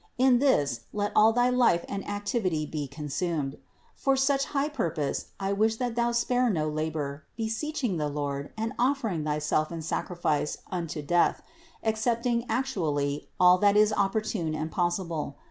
In this let all thy life and activity be consumed. For such high purpose I wish that thou spare no labor, beseeching the Lord and offering thyself in sacrifice unto death, accepting actually all that is op portune and possible.